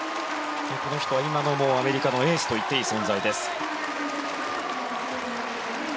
この人は今のアメリカのエースといっていい存在です。